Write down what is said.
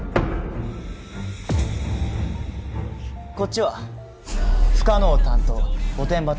こっちは不可能担当御殿場倒理。